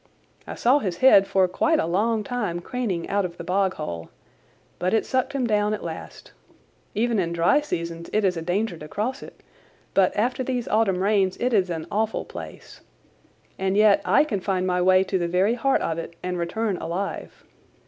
I saw his head for quite a long time craning out of the bog hole, but it sucked him down at last. Even in dry seasons it is a danger to cross it, but after these autumn rains it is an awful place. And yet I can find my way to the very heart of it and return alive.